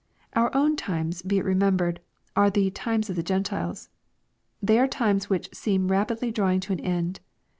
Our own times, be it remembered, are the " times of the Gen tiles." They are times which seem rapidly drawing to an end.